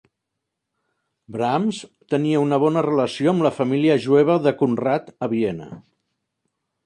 Brahms tenia una bona relació amb la família jueva de Conrat a Viena.